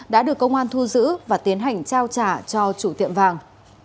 đã được công an thu giữ và tiến hành trao trả cho chủ tiệm vàng